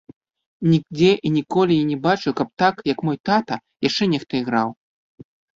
Нідзе і ніколі я не бачыў, каб так, як мой тата, яшчэ нехта іграў.